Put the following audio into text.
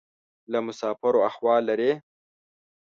له مسافرو احوال لرې؟